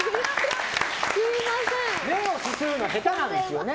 麺をすするの下手なんですよね。